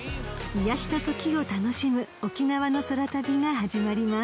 ［癒やしの時を楽しむ沖縄の空旅が始まります］